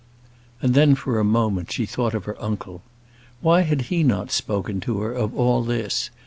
And then, for a moment, she thought of her uncle. Why had he not spoken to her of all this?